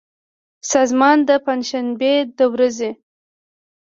سازمان د پنجشنبې د ورځې